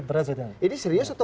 maresio prinsip tips kesehatan